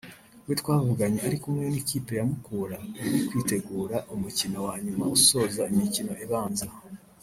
we twavuganye ari kumwe n’ikipe ya Mukura iri kwitegura umukino wa nyuma usoza imikino ibanza